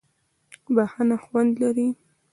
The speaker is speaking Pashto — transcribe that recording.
بښنه خوند لري.